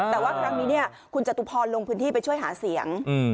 แต่ว่าครั้งนี้คุณจตุพรลงพื้นที่ไปช่วยหาเสียง